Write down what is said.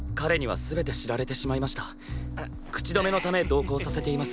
口止めのため同行させています。